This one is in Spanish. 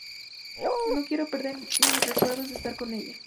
No quiero perder mis recuerdos de estar con ella.